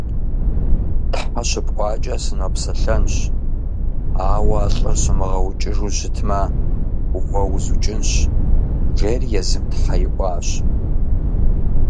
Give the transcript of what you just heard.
Тхьэ щыпӀуакӀэ сынопсэлъэнщ, ауэ а лӏыр сумыгъэукӀыжу щытмэ, уэ узукӀынщ, жери езыми тхьэ иӀуащ.